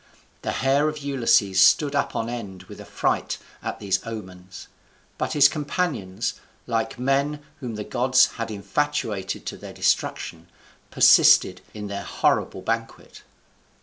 The hair of Ulysses stood up on end with affright at these omens; but his companions, like men whom the gods had infatuated to their destruction, persisted in their horrible banquet.